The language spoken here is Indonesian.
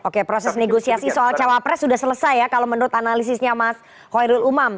oke proses negosiasi soal cawapres sudah selesai ya kalau menurut analisisnya mas hoirul umam